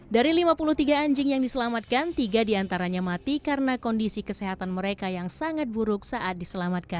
dari lima puluh tiga anjing yang diselamatkan tiga diantaranya mati karena kondisi kesehatan mereka yang sangat buruk saat diselamatkan